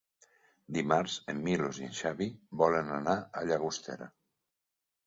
Dimarts en Milos i en Xavi volen anar a Llagostera.